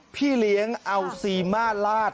พี่เลี้ยงเอาซีม่าลาด